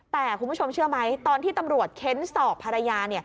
แต่คุณผู้ชมเชื่อไหมตอนที่ตำรวจเค้นสอบภรรยา